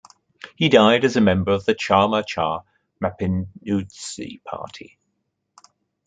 He died as a member of the Chama Cha Mapinuzi party.